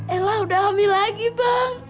ellah udah hamil lagi bang